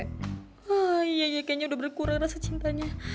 ayayaya kayaknya udah berkurang rasa cintanya